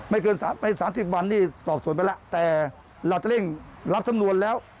เกินไป๓๐วันนี้สอบส่วนไปแล้วแต่เราจะเร่งรับสำนวนแล้ว